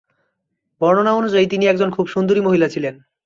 বর্ণনা অনুযায়ী তিনি একজন খুব সুন্দরী মহিলা ছিলেন।